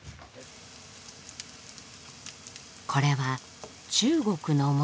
これは中国の餅。